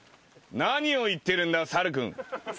何を言っているんだ猿君。